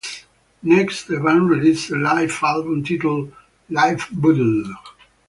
Next the band released a live album titled "Live Bootleg".